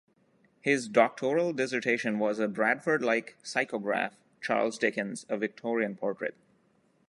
His doctoral dissertation was a Bradford-like psychograph, "Charles Dickens: A Victorian Portrait".